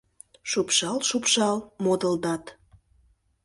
Шупшал-шупшал модылдат.